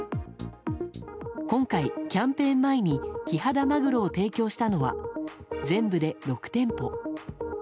今回、キャンペーン前にキハダマグロを提供したのは全部で６店舗。